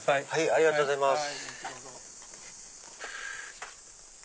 ありがとうございます。